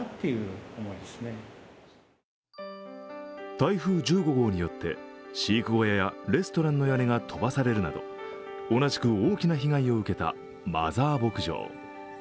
台風１５号によって飼育小屋やレストランの屋根が飛ばされるなど同じく大きな被害を受けたマザー牧場。